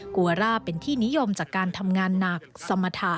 วาร่าเป็นที่นิยมจากการทำงานหนักสมรรถะ